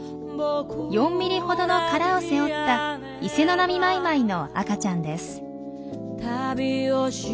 ４ｍｍほどの殻を背負ったイセノナミマイマイの赤ちゃんです。